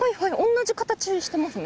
同じ形してますね。